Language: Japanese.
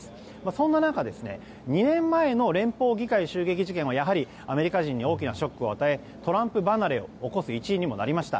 そんな中、２年前の連邦議会襲撃事件はアメリカ人に大きなショックを与えトランプ離れを起こす一因にもなりました。